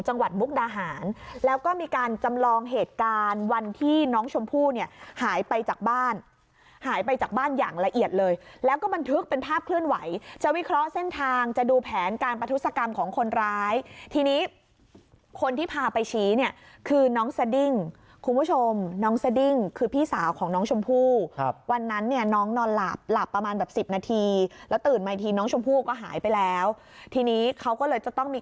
จังหวัดมุกดาหารแล้วก็มีการจำลองเหตุการณ์วันที่น้องชมพู่เนี่ยหายไปจากบ้านหายไปจากบ้านอย่างละเอียดเลยแล้วก็มันทึกเป็นภาพเคลื่อนไหวจะวิเคราะห์เส้นทางจะดูแผนการประทุศกรรมของคนร้ายทีนี้คนที่พาไปชี้เนี่ยคือน้องซะดิ้งคุณผู้ชมน้องซะดิ้งคือพี่สาวของน้องชมพู่วันนั้นเนี่ยน้องนอนหลับหลับประมาณ